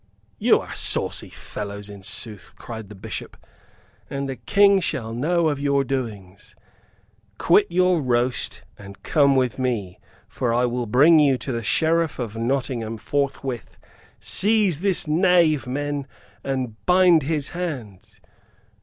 "You are saucy fellows, in sooth," cried the Bishop, "and the King shall know of your doings. Quit your roast, and come with me, for I will bring you to the Sheriff of Nottingham forthwith! Seize this knave, men, and bind his hands."